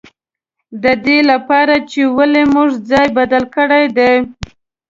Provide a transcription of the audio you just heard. د دې له پاره چې ولې موږ ځای بدل کړی دی.